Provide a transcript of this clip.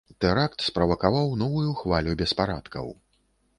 Тэракт справакаваў новую хвалю беспарадкаў.